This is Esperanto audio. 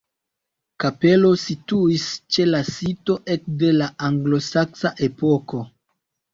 Kapelo situis ĉe la sito ekde la anglosaksa epoko.